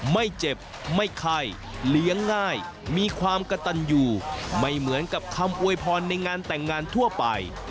ไม่เจ็บไม่ไข้เลี้ยงง่ายมีความกระตันอยู่ไม่เหมือนกับคำอวยพรในงานแต่งงานทั่วไป